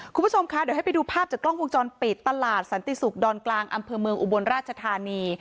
คุณผู้ชมคะเดี๋ยวให้ไปดูภาพจากกล้องวงจรปิดตลาดสันติศุกร์ดอนกลางอำเภอเมืองอุบลราชธานี